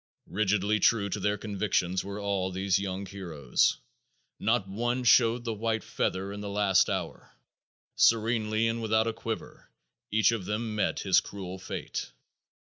Rigidly true to their convictions were all these young heroes. Not one showed the white feather in the last hour. Serenely and without a quiver each of them met his cruel fate.